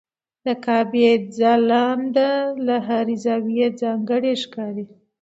د کعبې ځلېدنه له هر زاویې ځانګړې ښکاري.